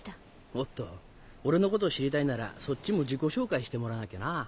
おっと俺のことを知りたいならそっちも自己紹介してもらわなきゃな。